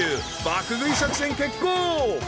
爆食い作戦決行！